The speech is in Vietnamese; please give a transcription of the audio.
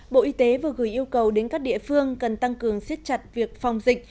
bộ y tế vừa gửi yêu cầu đến các địa phương cần tăng cường siết chặt việc phòng dịch